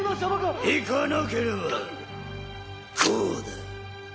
行かなければこうだ。